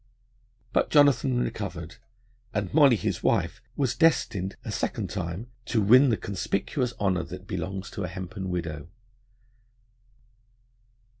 But Jonathan recovered, and Molly, his wife, was destined a second time to win the conspicuous honour that belongs to a hempen widow.